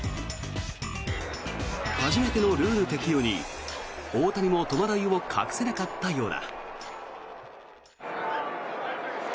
初めてのルール適用に大谷も戸惑いを隠せなかったようだ。